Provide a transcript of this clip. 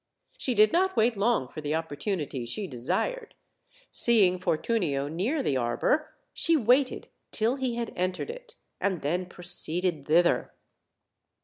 She did not wait long for the opportunity she desired; seeing Fortunio near the arbor, she waited till he had entered it, and then proceeded thither.